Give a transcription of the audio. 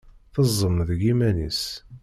Tezzem deg yiman-is.